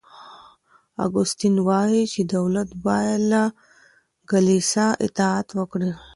اګوستين وايي چي دولت بايد له کليسا اطاعت وکړي.